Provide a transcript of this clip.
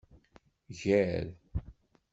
Gar.